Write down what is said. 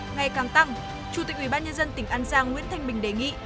ngày càng tăng chủ tịch ubnd tỉnh an giang nguyễn thanh bình đề nghị